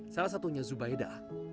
salah satunya zubaida